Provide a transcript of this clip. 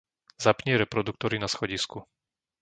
Zapni reproduktory na schodisku.